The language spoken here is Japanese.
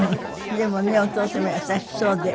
でもねお父様優しそうで。